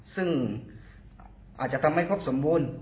ซึ่งอาจจะทำให้ครบสมบูรณ์